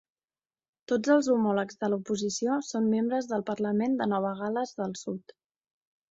Tots els homòlegs de l'oposició són membres del Parlament de Nova Gales del Sud.